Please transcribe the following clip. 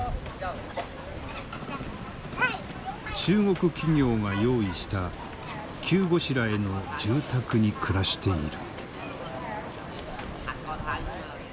中国企業が用意した急ごしらえの住宅に暮らしている。